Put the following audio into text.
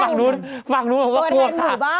ฝั่งนู้นฝั่งนู้นก็ปวดค่ะตัวแทนหมู่บ้าน